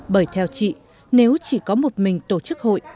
bởi theo chị nếu chỉ có một mình tổ chức hội